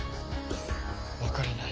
わからない。